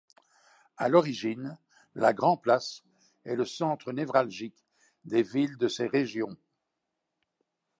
À l'origine, la grand-place est le centre névralgique des villes de ces régions.